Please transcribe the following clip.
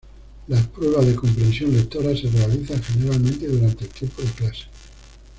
Las pruebas de comprensión lectora se realizan generalmente durante el tiempo de clase.